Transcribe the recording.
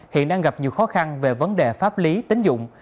hiện đang gặp nhiều khó khăn về vấn đề pháp lý tính dụng